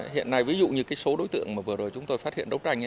hiện nay ví dụ như cái số đối tượng mà vừa rồi chúng tôi phát hiện đấu tranh